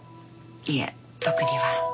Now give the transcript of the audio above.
いえ特には。